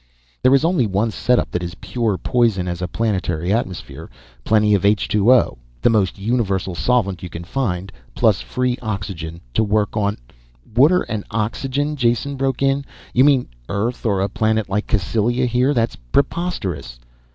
"There is only one setup that is pure poison as a planetary atmosphere. Plenty of HO, the most universal solvent you can find, plus free oxygen to work on " "Water and oxygen!" Jason broke in. "You mean Earth or a planet like Cassylia here? That's preposterous."